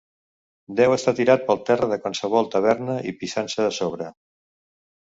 Deu estar tirat pel terra de qualsevol taverna i pixant-se a sobre.